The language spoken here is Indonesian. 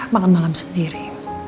makan malam sendiri